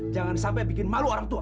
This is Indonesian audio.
jangan sampai bikin malu orang tua